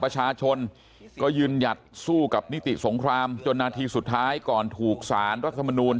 ประชาชนก็ยืนหยัดสู้กับนิติสงครามจนนาทีสุดท้ายก่อนถูกสารรัฐมนูล